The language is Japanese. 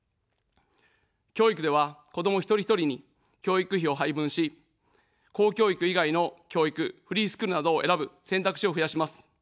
教育では子ども一人一人に教育費を配分し、公教育以外の教育、フリースクールなどを選ぶ選択肢を増やします。